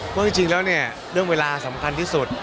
เพราะจริงแล้วเนี่ยเรื่องเวลาสำคัญที่สุด